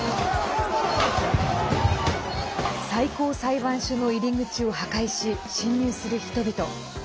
最高裁判所の入り口を破壊し侵入する人々。